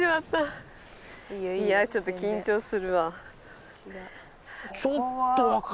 いやちょっと緊張するわ。